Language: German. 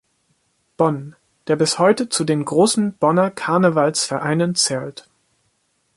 Bonn", der bis heute zu den großen Bonner Karnevalsvereinen zählt.